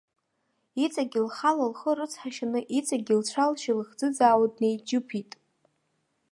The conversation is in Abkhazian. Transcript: Иҵегьы лхала лхы рыцҳашьаны, иҵегьы лцәа-лжьы лыхӡыӡаауа днеиџьыԥит.